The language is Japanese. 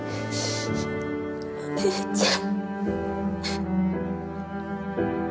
お姉ちゃん。